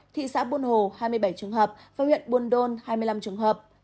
thị xã buôn hồ hai mươi bảy trường hợp và huyện buôn đôn hai mươi năm trường hợp